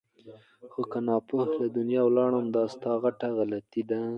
خو که ناپوه له دنیا ولاړې دا ستا غټه غلطي ده!